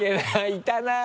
いたなぁ。